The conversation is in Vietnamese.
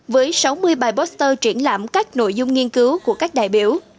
với sáu mươi bài poster triển lãm các nội dung nghiên cứu của các đại biểu